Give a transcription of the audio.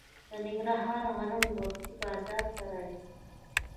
د ننګرهار غنم وختي بازار ته راځي.